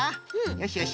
よしよし。